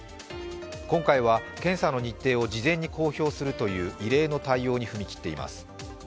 今回は検査の日程を事前に公表するという異例の対応に踏み切っています。